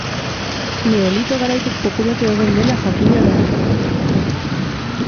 Neolito garaitik populatu egon dela jakina da.